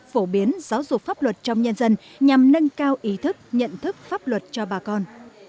phổ biến giáo dục pháp luật trong nhân dân nhằm nâng cao ý thức nhận thức pháp luật cho bà con